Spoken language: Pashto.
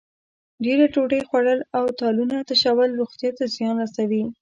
ډېره ډوډۍ خوړل او تالونه تشول روغتیا ته زیان رسوي.